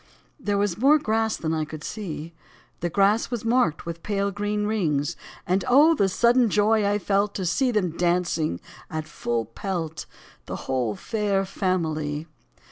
There was more grass than I could see, The grass was marked with pale, green rings ; And oh, the sudden joy I felt To see them dancing at full pelt, The whole Fair Family.